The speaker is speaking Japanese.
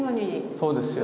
そうですよ。